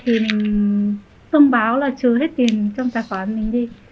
thì mình thông báo là trừ hết tiền trong tài khoản mình đi